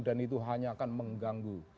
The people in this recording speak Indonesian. dan itu hanya akan mengganggu